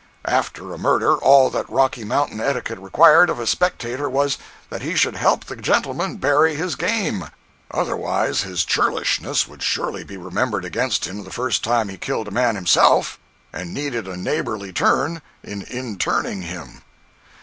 After a murder, all that Rocky Mountain etiquette required of a spectator was, that he should help the gentleman bury his game—otherwise his churlishness would surely be remembered against him the first time he killed a man himself and needed a neighborly turn in interring him.